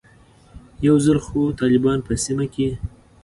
یو ځل خو طالبان په سیمه کې.